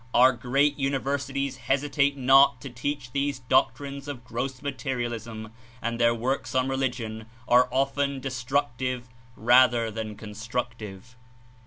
Our great univer sities hesitate not to teach these doctrines of gross materialism and their works on religion are often de structive rather than constructive.